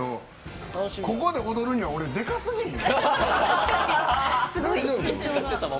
ここで踊るにはでかすぎひん？